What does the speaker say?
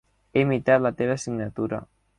He imitat la teva signatura.